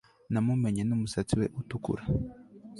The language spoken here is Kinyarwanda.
Namumenye numusatsi we utukura